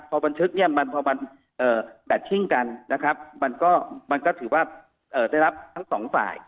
พอบันทึกเนี่ยมันพอมันแบตชิ่งกันนะครับมันก็ถือว่าได้รับทั้งสองฝ่าย